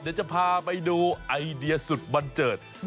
เดี๋ยวจะพาไปดูไอเดียสุดบันเจิด